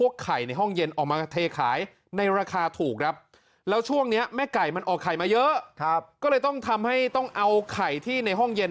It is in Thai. ก็เลยต้องทำให้ต้องเอาไข่ที่ในห้องเย็น